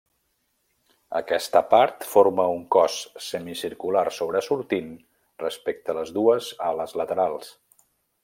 Aquesta part forma un cos semicircular sobresortint respecte les dues ales laterals.